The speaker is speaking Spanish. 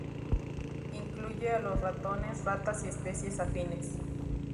Incluye a los ratones, ratas y especies afines.